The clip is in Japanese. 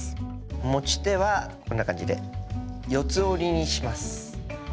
持ち手はこんな感じで四つ折りにします。